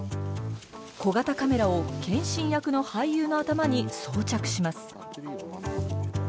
小型カメラを謙信役の俳優の頭に装着します。